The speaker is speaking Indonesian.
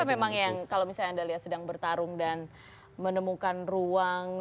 apa memang yang kalau misalnya anda lihat sedang bertarung dan menemukan ruang